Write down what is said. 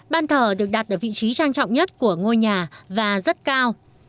ban thờ được đặt ở vị trí trang trọng nhất của ngôi nhà và rất cao